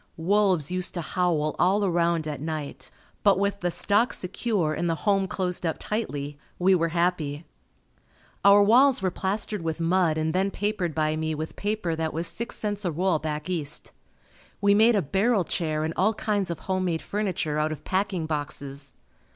Wolves used to howl all around at night but with the stock secure and the home closed up tightly, we were happy. Our walls were plastered with mud and then papered by me with paper that was six cents a roll back east. We made a barrel chair and all kinds of home made furniture out of packing boxes.